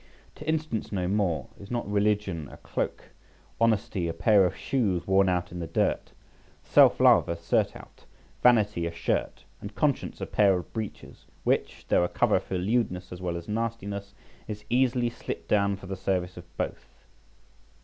To instance no more, is not religion a cloak, honesty a pair of shoes worn out in the dirt, self love a surtout, vanity a shirt, and conscience a pair of breeches, which, though a cover for lewdness as well as nastiness, is easily slipped down for the service of both.